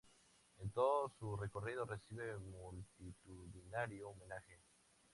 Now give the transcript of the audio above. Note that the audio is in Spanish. En todo su recorrido recibe multitudinario homenaje.